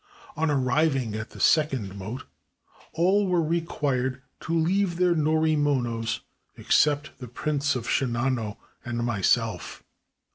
On arriving at the second moat, all were required to leave their norimonos except the Prince of Shinano and myself.